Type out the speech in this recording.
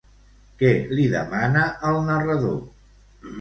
Què li demana el narrador?